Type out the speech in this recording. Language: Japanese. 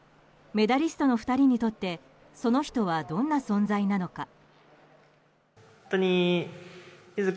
メダリストの２人にとってその人はどんな存在なのか。